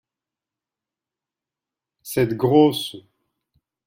Cette grosse.